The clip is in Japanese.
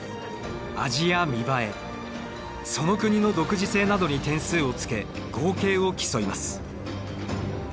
味や見栄えその国の独自性などに点数をつけ合計を競います。